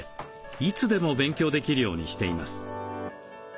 いつでも勉強できるようにしています。